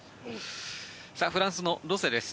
フランスのロセです。